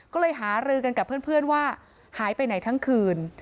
ก็เลยหารือกันกับเพื่อนว่าหายไปไหนทั้งคืน